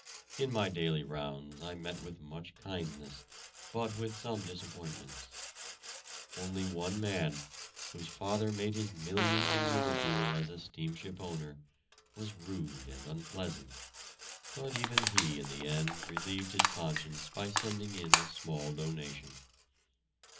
In my daily rounds I met with much kindness, but with some disappointments. Only one man, whose father made his millions in Liverpool as a steamship owner, was rude and unpleasant, but even he in the end relieved his conscience by sending in a small donation.